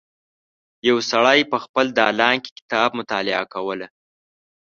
یو سړی په خپل دالان کې کتاب مطالعه کوله.